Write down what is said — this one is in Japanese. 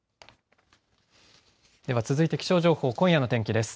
では続いて気象情報、今夜の天気です。